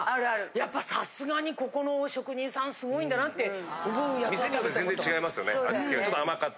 やっぱさすがにここの職人さんすごいんだなって思うやつは食べたことがある。